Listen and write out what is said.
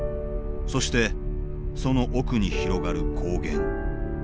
そしてその奥に広がる高原。